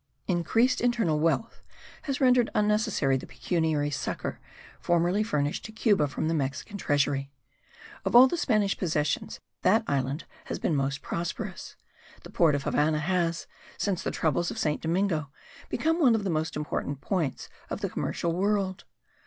Increased internal wealth has rendered unnecessary the pecuniary succour formerly furnished to Cuba from the Mexican treasury. Of all the Spanish possessions that island has been most prosperous: the port of the Havannah has, since the troubles of St. Domingo, become one of the most important points of the commercial world.